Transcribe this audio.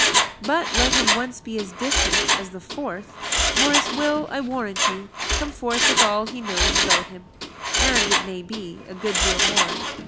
But let him once be as distant as the Forth, Morris will, I warrant you, come forth with all he knows about him, and, it may be, a good deal more.